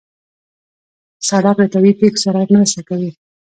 سړک له طبیعي پېښو سره مرسته کوي.